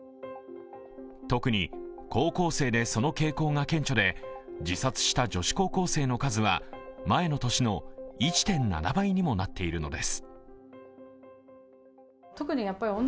特に高校生でその傾向が顕著で、自殺した女子高校生の数は前の年の１．７倍にもなっているのです。